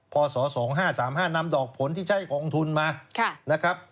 พศ๒๐๓๕นำดอกผลที่ใช้กองทุนมา